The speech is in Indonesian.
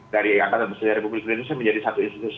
dari angkatan besar republik indonesia menjadi satu institusi